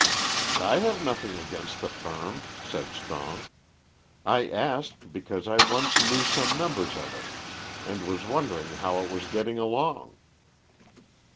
"I have nothing against the firm," said Strong. "I asked because I once knew some members of it, and was wondering how it was getting along."